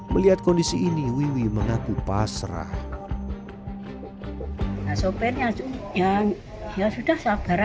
melihat kondisi ini wiwi mengaku pasrah